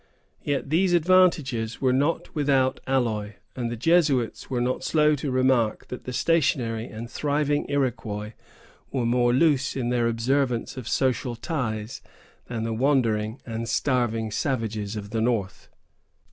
Yet these advantages were not without alloy, and the Jesuits were not slow to remark that the stationary and thriving Iroquois were more loose in their observance of social ties, than the wandering and starving savages of the north.